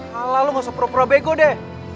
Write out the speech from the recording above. salah lo gak usah pro pro bego deh